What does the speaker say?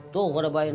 tuh udah bayar dp kan